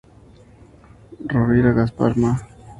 Rovira Gaspar, Ma.